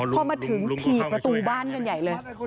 พอมาถึงถี่ประตูบ้านกันใหญ่เลย